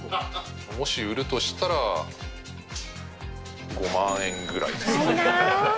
もし売るとしたら、５万円ぐらいですかね。